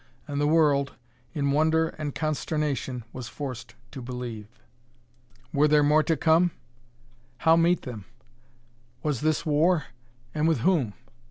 And the world, in wonder and consternation, was forced to believe. Were there more to come? How meet them? Was this war and with whom?